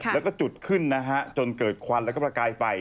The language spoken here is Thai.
แล้วก็จุดขึ้นนะฮะจนเกิดควันแล้วก็ประกายไฟ